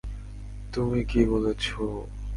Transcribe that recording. তুমি কি বলেছ?